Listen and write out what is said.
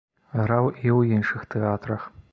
Граў і ў іншых тэатрах.